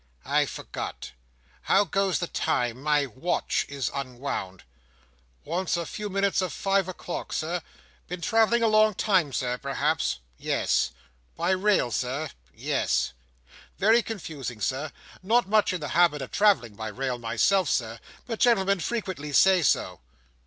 "I forgot. How goes the time? My watch is unwound." "Wants a few minutes of five o'clock, Sir. Been travelling a long time, Sir, perhaps?" "Yes" "By rail, Sir?" "Yes" "Very confusing, Sir. Not much in the habit of travelling by rail myself, Sir, but gentlemen frequently say so."